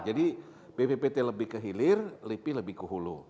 jadi bppt lebih ke hilir lpi lebih ke hulu